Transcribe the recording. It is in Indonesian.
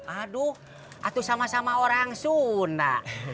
aduh atuh sama sama orang suna